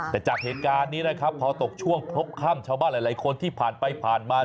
แต่จากเหตุการณ์นี้นะครับพอตกช่วงพบค่ำชาวบ้านหลายคนที่ผ่านไปผ่านมา